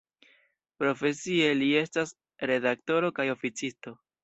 Profesie li estas redaktoro kaj oficisto.